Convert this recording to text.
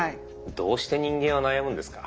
どうして人間は悩むんですか？